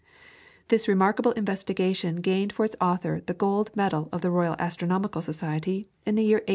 This remarkable investigation gained for its author the gold medal of the Royal Astronomical Society in the year 1832.